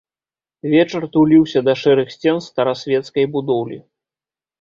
Вечар туліўся да шэрых сцен старасвецкай будоўлі.